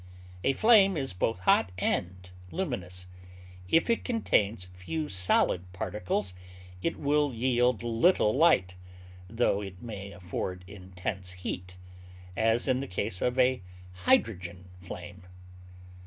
A flame is both hot and luminous; if it contains few solid particles it will yield little light, tho it may afford intense heat, as in the case of a hydrogen flame.